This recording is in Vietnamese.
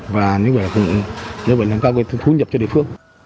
và nâng cao thu nhập cho địa phương